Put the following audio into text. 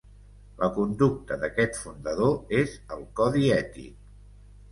La conducta d'aquest fundador és el codi ètic.